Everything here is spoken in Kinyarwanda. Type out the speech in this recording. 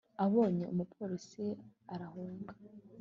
Abonye umupolisi arahunga